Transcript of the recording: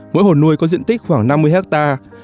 mỗi hồ nuôi có diện tích khoảng năm mươi hectare